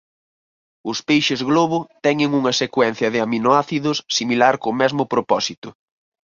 Os peixes globo teñen unha secuencia de aminoácidos similar co mesmo propósito.